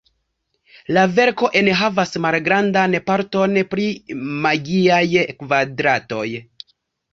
La verko enhavas malgrandan parton pri magiaj kvadratoj.